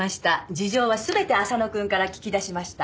事情は全て浅野くんから聞き出しました。